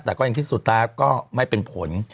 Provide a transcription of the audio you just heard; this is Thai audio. แต่ก็ยังที่สุดแล้วก็ไม่เป็นผล